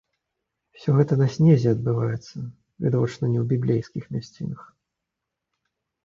Усё гэта на снезе адбываецца, відавочна не ў біблейскіх мясцінах.